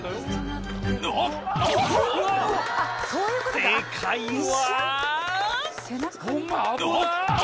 正解は。